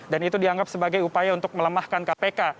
dan itu dianggap sebagai upaya untuk melemahkan kpk